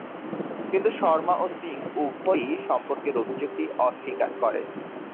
কিন্তু শর্মা ও সিং উভয়ই সম্পর্কের অভিযোগটি অস্বীকার করেন।